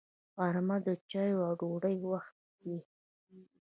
غرمه د چایو او ډوډۍ وخت وي